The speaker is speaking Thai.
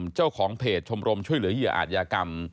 เจ้าของเพจชมรมช่วยเหลือเหยื่ออาจยากรรม